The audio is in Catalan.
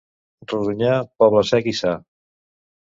Rodonyà, poble sec i sa.